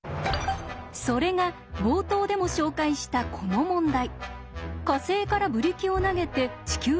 それが冒頭でも紹介したこの問題。